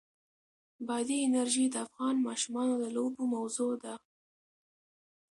بادي انرژي د افغان ماشومانو د لوبو موضوع ده.